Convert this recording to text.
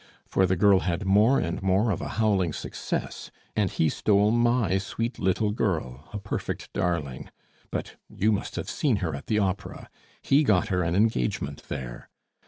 for the girl had more and more of a howling success, and he stole my sweet little girl, a perfect darling but you must have seen her at the opera; he got her an engagement there.